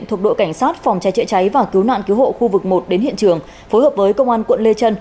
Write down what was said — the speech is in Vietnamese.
thuộc đội cảnh sát phòng cháy chữa cháy và cứu nạn cứu hộ khu vực một đến hiện trường phối hợp với công an quận lê trân